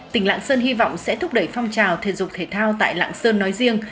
tỉnh lạng sơn hy vọng sẽ thúc đẩy phong trào thể dục thể thao tại lạng sơn nói riêng